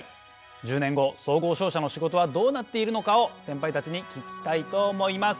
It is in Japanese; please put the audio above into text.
１０年後総合商社の仕事はどうなっているのかをセンパイたちに聞きたいと思います。